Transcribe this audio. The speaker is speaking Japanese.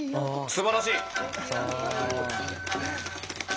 すばらしい！